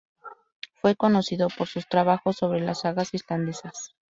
Fue conocido por sus trabajos sobre las sagas islandesas.